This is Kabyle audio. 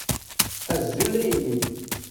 Azul a yelli.